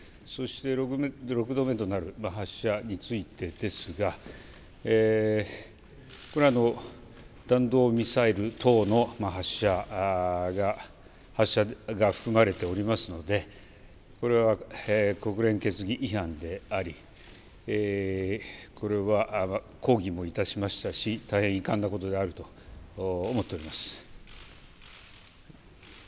そして６度目となる発射についてですがこれは弾道ミサイル等の発射が含まれておりますので国連決議違反であり、これは抗議もいたしましたし大変遺憾なことであると思っております。